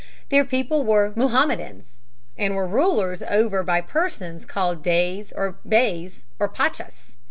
Their people were Mohammedans, and were ruled over by persons called Deys or Beys, or Pachas.